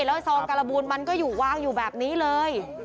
แล้วซองการบูนมันก็อยู่วางอยู่แบบนี้เลย